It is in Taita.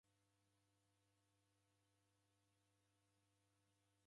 Ndooreendieghe marikonyi.